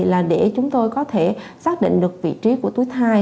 là để chúng tôi có thể xác định được vị trí của túi hai